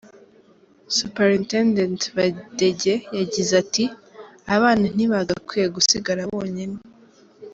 Superintendent Badege yagize ati : “Abana ntibagakwiye gusigara bonyine.